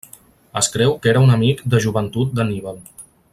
Es creu que era un amic de joventut d'Anníbal.